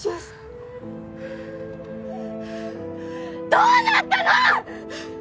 どうなったの！